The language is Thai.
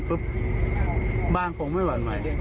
ปุ๊ปบ้านพกไม่ขวดใหม่